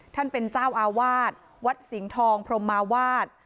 ท่านเป็นเจ้าอาวาสวัดสิงห์ทองพรมมาวาด